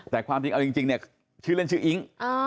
แต่ความจริงเอาจริงเนี่ยชื่อเล่นชื่ออิ๊ง